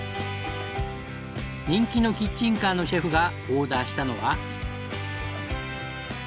人気のキッチンカーのシェフがオーダーしたのは。